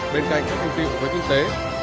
bên cạnh các kinh tựu với kinh tế